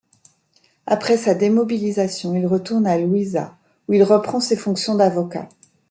Après sa démobilisation, il retourne à Louisa où il reprend ses fonctions d'avocat.